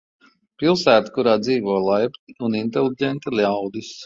Pilsēta, kurā dzīvo laipni un inteliģenti ļaudis.